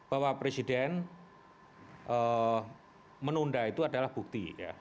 bahwa presiden menunda itu adalah bukti ya